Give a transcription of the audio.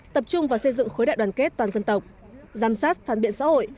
tập trung vào xây dựng khối đại đoàn kết toàn dân tộc giám sát phán biện xã hội